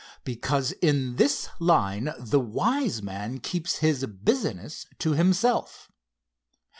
"Because in this line the wise man keeps his business to himself.